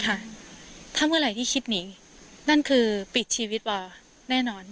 ถ้าเมื่อไหร่ที่คิดหนีนั่นคือปิดชีวิตวาแน่นอน